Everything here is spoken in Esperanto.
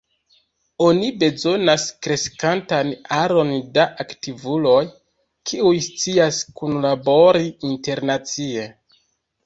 Oni bezonas kreskantan aron da aktivuloj, kiuj scias kunlabori internacie.